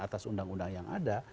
atas undang undang yang ada